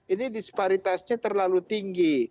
ini disparitasnya terlalu tinggi